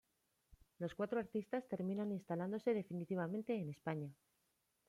Los cuatro artistas terminan instalándose definitivamente en España.